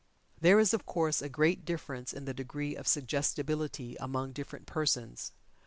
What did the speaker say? There is of course a great difference in the degree of suggestibility among different persons.